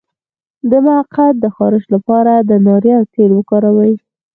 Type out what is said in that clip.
د مقعد د خارش لپاره د ناریل تېل وکاروئ